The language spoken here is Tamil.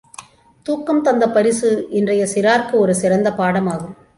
தூக்கம் தந்த பரிசு இன்றைய சிறார்க்கு ஒரு சிறந்த பாடமாகும்.